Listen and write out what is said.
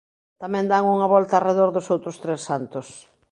Tamén dan unha volta arredor dos outros tres santos.